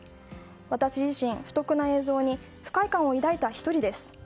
私自身、不徳な映像に不快感を抱いた１人です。